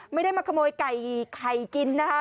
ไม่ได้มาขโมยไก่ไข่กินนะคะ